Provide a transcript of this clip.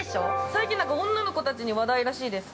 最近女の子たちに話題らしいです。